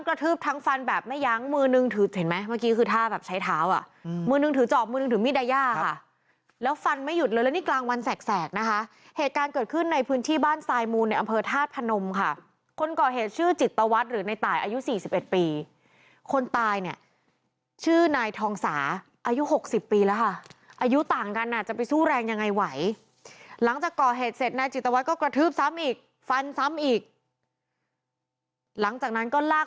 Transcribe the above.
กลางฟันแบบไม่ย้างมือหนึ่งถือเห็นไหมเมื่อกี้คือท่าแบบใช้เท้าอะมือหนึ่งถือจอบมือหนึ่งถือมีดไดยาค่ะแล้วฟันไม่หยุดเลยแล้วนี่กลางวันแสกนะคะเหตุการณ์เกิดขึ้นในพื้นที่บ้านสายมูลในอำเภอทาสพนมค่ะคนก่อเหตุชื่อจิตวัตรหรือในตายอายุ๔๑ปีคนตายเนี่ยชื่อนายทองสาอายุ๖๐ปีแล้วค่ะ